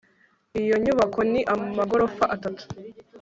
Iyo nyubako ni amagorofa atatu